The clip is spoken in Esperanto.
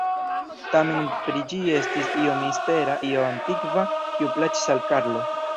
Tamen pri ĝi estis io mistera, io antikva, kiu plaĉis al Karlo.